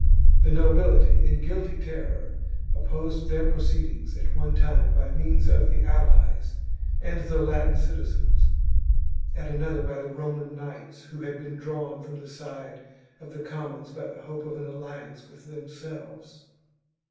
The nobility, in guilty terror, opposed their proceedings at one time by means of the allies and the Latin citizens, at another by the Roman knights who had been drawn from the side of the commons by the hope of an alliance with themselves.